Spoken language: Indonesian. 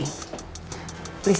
ternyata kamu free